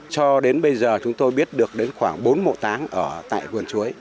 cho đến bây giờ chúng tôi biết được đến khoảng bốn mộ táng ở tại vườn chuối